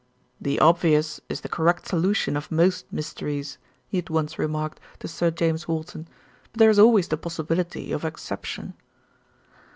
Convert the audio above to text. "The obvious is the correct solution of most mysteries," he had once remarked to Sir James Walton; but there is always the possibility of exception.